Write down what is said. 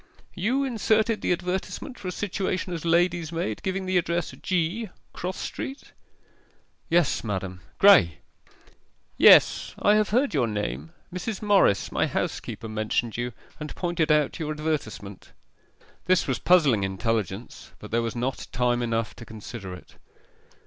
'You inserted the advertisement for a situation as lady's maid giving the address, G., Cross Street?' 'Yes, madam. Graye.' 'Yes. I have heard your name Mrs. Morris, my housekeeper, mentioned you, and pointed out your advertisement.' This was puzzling intelligence, but there was not time enough to consider it.